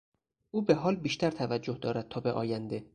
او به حال بیشتر توجه دارد تابه آینده.